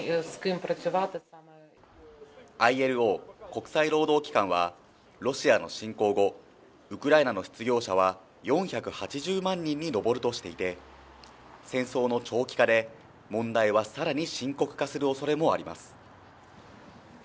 ＩＬＯ・国際労働機関は、ロシアの侵攻後、ウクライナの失業者は４８０万人に上るとしていて、戦争の長期化で、問題はさらに深刻化するおそれもあります。